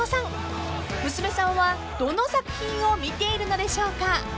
［娘さんはどの作品を見ているのでしょうか？］